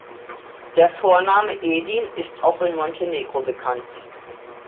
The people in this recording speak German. Der Vorname Edin ist auch in Montenegro bekannt.